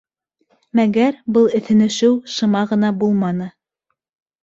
Мәгәр был эҫенешеү шыма ғына булманы.